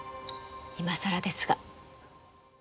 いまさらですが。